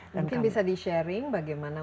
mungkin bisa di sharing bagaimana